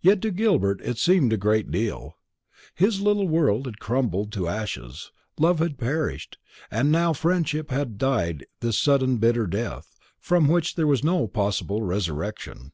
Yet to Gilbert it seemed a great deal. His little world had crumbled to ashes; love had perished, and now friendship had died this sudden bitter death, from which there was no possible resurrection.